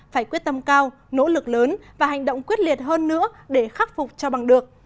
phải quyết tâm cao nỗ lực lớn và hành động quyết liệt hơn nữa để khắc phục cho bằng được